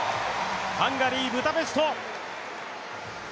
ハンガリー・ブダペスト。